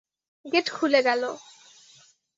Gate খুলে গেল।